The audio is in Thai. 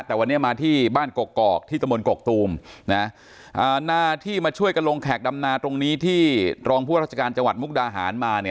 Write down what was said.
แต่วันนี้มาที่บ้านกกอกที่ตะมนตกกตูมนาที่มาช่วยกันลงแขกดำนาตรงนี้ที่รองผู้ราชการจังหวัดมุกดาหารมา